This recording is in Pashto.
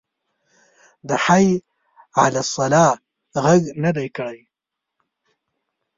د حی علی الصلواه غږ نه دی کړی.